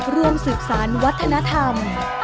เรื่องศึกษานวัฒนธรรม